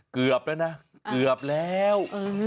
เกือบแล้วนะเกือบแล้ว